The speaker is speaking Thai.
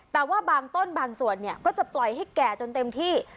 แต่ว่าบางต้นบางส่วนเนี่ยก็จะปล่อยให้แก่จนเต็มที่